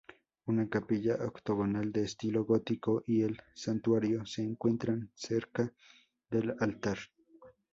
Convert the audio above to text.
Una capilla octogonal de estilo gótico y el santuario se encuentran cerca del altar.